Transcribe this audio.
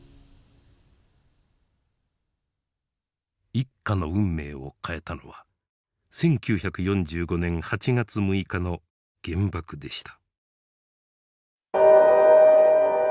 一家の運命を変えたのは１９４５年８月６日の原爆でした。